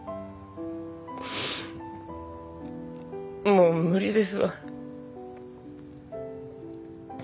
もう無理ですわ。